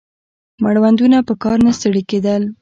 مړوندونه په کار نه ستړي کېدل